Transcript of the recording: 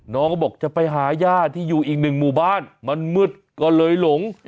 น้องก็บอกจะไปหาย่าที่อยู่อีกหนึ่งหมู่บ้านมันมืดก็เลยหลง